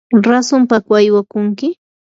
¿rasunpaku aywakunki?